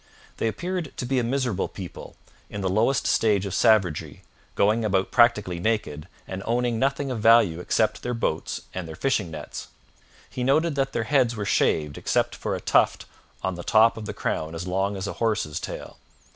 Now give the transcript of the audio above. They appeared to be a miserable people, in the lowest stage of savagery, going about practically naked, and owning nothing of any value except their boats and their fishing nets. He noted that their heads were shaved except for a tuft 'on the top of the crown as long as a horse's tail.'